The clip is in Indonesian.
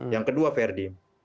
yang kedua verdi